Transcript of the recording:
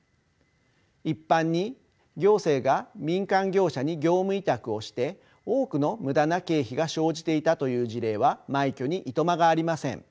一般に行政が民間業者に業務委託をして多くの無駄な経費が生じていたという事例は枚挙にいとまがありません。